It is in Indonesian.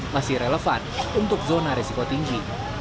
masih relevan untuk zona risiko tinggi